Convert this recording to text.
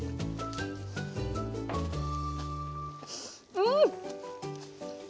うん！